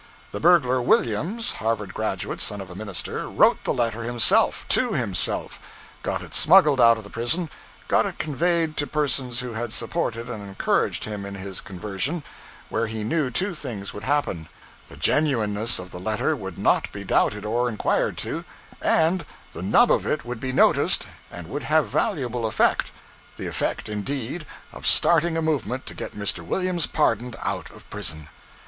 The burglar Williams Harvard graduate, son of a minister wrote the letter himself, to himself: got it smuggled out of the prison; got it conveyed to persons who had supported and encouraged him in his conversion where he knew two things would happen: the genuineness of the letter would not be doubted or inquired into; and the nub of it would be noticed, and would have valuable effect the effect, indeed, of starting a movement to get Mr. Williams pardoned out of prison.